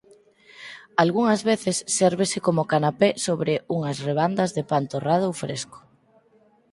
Algunhas veces sérvese coma canapé sobre unhas rebandas de pan torrado ou fresco.